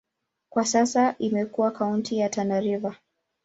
Kwa sasa imekuwa kaunti ya Tana River.